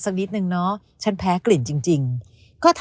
สักนิดนึงเนาะฉันแพ้กลิ่นจริงก็ถ้า